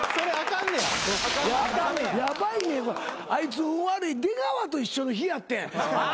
あいつ運悪い出川と一緒の日やってん。